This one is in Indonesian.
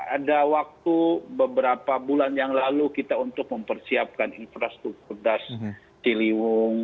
dan saya kira ya ada waktu beberapa bulan yang lalu kita untuk mempersiapkan infrastruktur dasar ciliwung